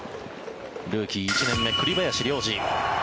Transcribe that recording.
ルーキー１年目、栗林良吏。